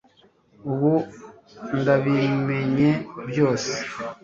ubu ndabimenye byose